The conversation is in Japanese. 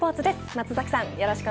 松崎さん